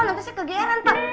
nanti saya ke geyeran pak